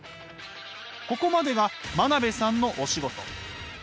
ここまでが真鍋さんのお仕事。